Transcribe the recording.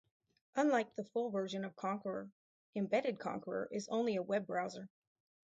Unlike the full version of Konqueror, Embedded Konqueror is only a web browser.